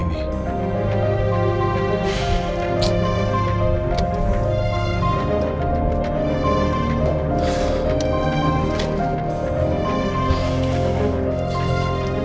kayak pak rendy nah